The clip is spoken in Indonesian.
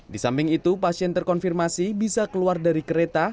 di samping itu pasien terkonfirmasi bisa keluar dari kereta